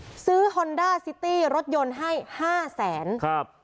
ซื้อฮอนด้าซิตี้รถยนต์ให้ห้าแสนครับ